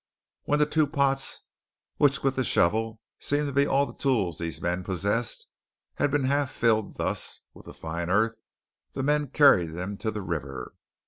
When the two pots, which with the shovel seemed to be all the tools these men possessed, had been half filled thus with the fine earth, the men carried them to the river.